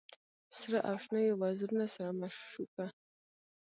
سره او شنه یې وزرونه سره مشوکه